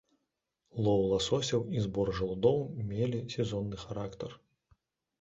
Лоў ласосяў і збор жалудоў мелі сезонны характар.